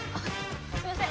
すいません！